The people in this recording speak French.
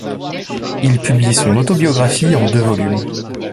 Il publie son autobiographie en deux volumes.